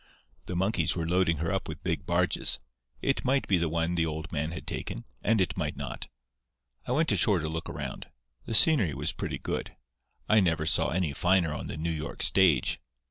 The monkeys were loading her up with big barges. It might be the one the old man had taken, and it might not. I went ashore to look around. The scenery was pretty good. I never saw any finer on the New York stage.